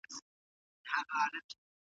گنې زما کافر زړه چيري يادول گلونه